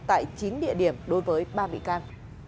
tại chín địa điểm đối với ba bị can